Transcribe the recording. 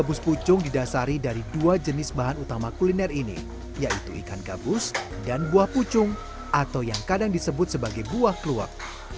gabus pucung didasari dari dua jenis bahan utama kuliner ini yaitu ikan gabus dan buah pucung atau yang kadang disebut sebagai buah kluwak